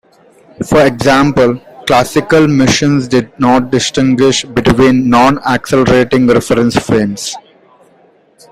For example, classical mechanics did not distinguish between non-accelerating reference frames.